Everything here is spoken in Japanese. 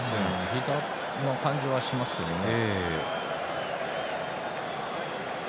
ひざの感じはしますけどね。